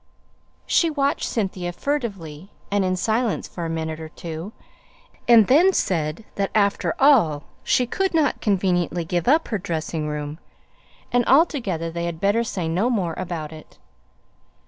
She watched Cynthia furtively and in silence for a minute or two, and then said that, after all, she could not conveniently give up her dressing room; and, altogether, they had better say no more about it.